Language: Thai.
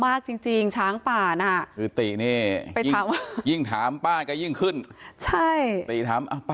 ไม่ไม่ไม่ไม่ไม่ติดสงสารตั้งกันแหละกลัวจะไปโดนกันแหละ